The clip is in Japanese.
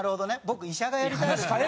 僕医者がやりたいですね。